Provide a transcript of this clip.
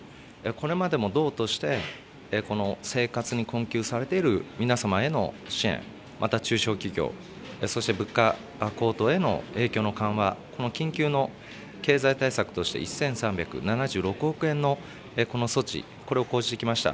これまでも道として、この生活に困窮されている皆様への支援、また中小企業、そして物価高騰への影響の緩和、この緊急の経済対策として、１３７６億円のこの措置、これを講じてきました。